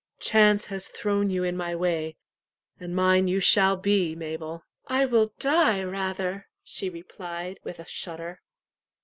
Chance has thrown you in my way, and mine you shall be, Mabel." "I will die rather," she replied, with a shudder.